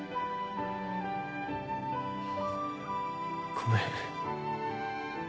ごめん。